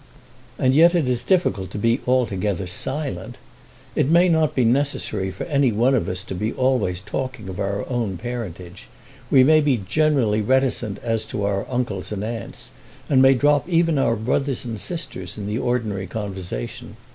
And yet it is difficult to be altogether silent! It may not be necessary for any of us to be always talking of our own parentage. We may be generally reticent as to our uncles and aunts, and may drop even our brothers and sisters in our ordinary conversation.